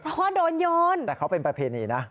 เพราะว่าโดนโยนแต่เขาเป็นประเพณีนะ